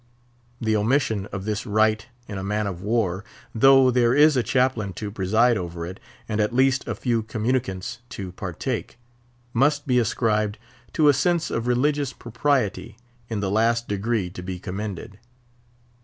The omission of this rite in a man of war—though there is a chaplain to preside over it, and at least a few communicants to partake—must be ascribed to a sense of religious propriety, in the last degree to be commended.